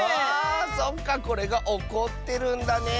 そっかこれがおこってるんだねえ。